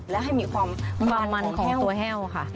และให้มีความมันของตัวแห้วค่ะ